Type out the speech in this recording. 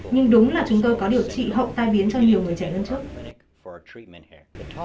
nhưng đúng là chúng tôi có điều trị hậu tai biến cho nhiều người trẻ hơn trước